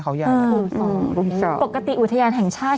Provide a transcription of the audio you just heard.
ปกติอุทยานแห่งชาติ